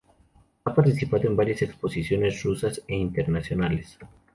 Ha participado en varias exposiciones rusas e internacionales.